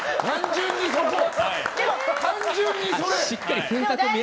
単純にそれ！